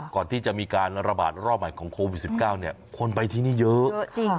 ก่อนที่จะมีการระบาดรอบใหม่ของโควิด๑๙เนี่ยคนไปที่นี่เยอะจริง